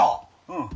うん。